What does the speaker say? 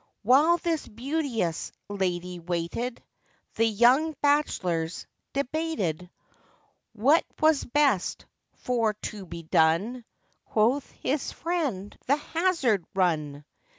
While this beauteous lady waited, The young bachelors debated What was best for to be done: Quoth his friend, 'The hazard run.